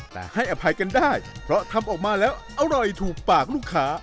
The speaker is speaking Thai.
แต่ให้อภัยกันได้เพราะทำออกมาแล้วอร่อยถูกปากลูกค้า